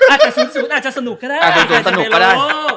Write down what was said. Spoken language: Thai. อาจจะสนุกก็ได้